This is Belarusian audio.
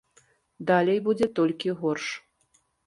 Далей будзе толькі горш.